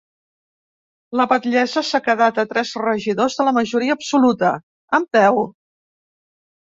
La batllessa s’ha quedat a tres regidors de la majoria absoluta, amb deu.